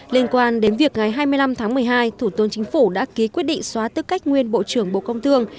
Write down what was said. liên quan đến việc ngày hai mươi năm tháng một mươi hai thủ tướng chính phủ đã ký quyết định xóa tư cách nguyên bộ trưởng bộ công thương